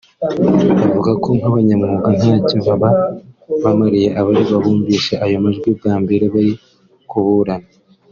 avuga ko nk’abanyamwuga ntacyo baba bamariye abaregwa bumvise ayo majwi bwa mbere bari kuburana